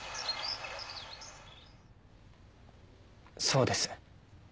そうです。